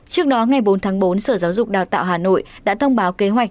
trước đó ngày bốn tháng bốn sở giáo dục đào tạo hà nội đã thông báo kế hoạch